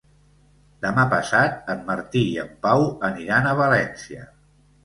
Demà passat en Martí i en Pau aniran a València.